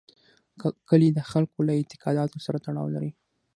کلي د خلکو له اعتقاداتو سره تړاو لري.